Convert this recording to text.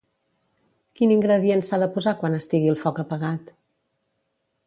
Quin ingredient s'ha de posar quan estigui el foc apagat?